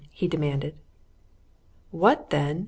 he demanded. "What, then?"